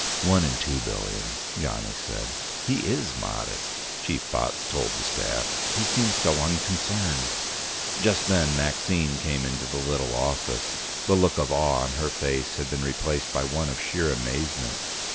"One in two billion," Johnny said. "He is modest," Chief Botts told the staff. "He seems so unconcerned." Just then Maxine came into the little office. The look of awe on her face had been replaced by one of sheer amazement.